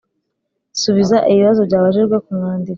Subiza ibibazo byabajijwe ku mwandiko “